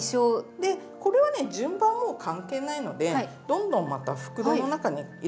でこれはね順番もう関係ないのでどんどんまた袋の中に入れていっちゃいます。